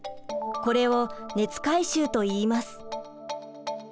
これを熱回収といいます。